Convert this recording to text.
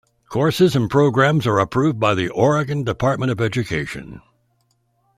Courses and programs are approved by the Oregon Department of Education.